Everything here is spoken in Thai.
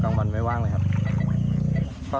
วันไม่ว่างเลยครับ